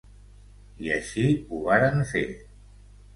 I així ho varen fer.